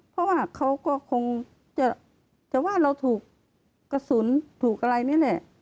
เพราะว่าเขาก็คงจะว่าเราถูกกระสุนถูกอะไรนี่แหละ